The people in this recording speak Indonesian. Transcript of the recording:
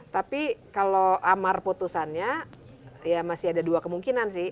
tapi kalau amar putusannya ya masih ada dua kemungkinan sih